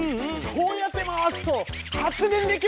こうやって回すと発電できるんです。